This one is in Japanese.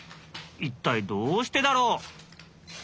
一体どうしてだろう？